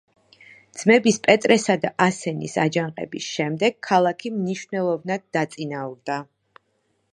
ძმების პეტრესა და ასენის აჯანყების შემდეგ ქალაქი მნიშვნელოვნად დაწინაურდა.